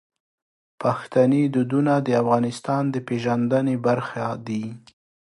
پښتني دودونه د افغانستان د پیژندنې برخه دي.